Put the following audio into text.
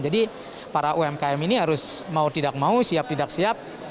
jadi para umkm ini harus mau tidak mau siap tidak siap